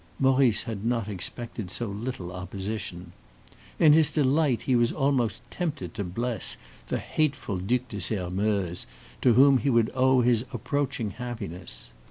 Maurice had not expected so little opposition. In his delight he was almost tempted to bless the hateful Duc de Sairmeuse, to whom he would owe his approaching happiness.